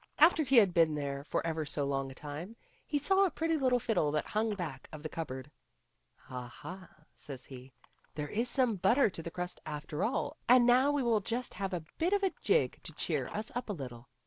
After he had been there for ever so long a time, he saw a pretty little fiddle that hung back of the cupboard. " Aha !" says he, " there is some butter to the crust after all ; and now we will just have a bit of a jig to cheer us up a little."